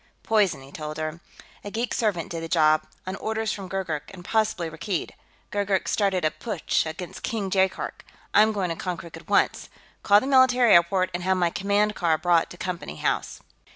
"Poison," he told her. "A geek servant did the job, on orders from Gurgurk and possibly Rakkeed. Gurgurk's started a putsch against King Jaikark; I'm going to Konkrook at once. Call the military airport and have my command car brought to Company House."